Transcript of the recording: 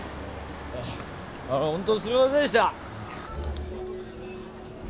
あの本当すいませんでした！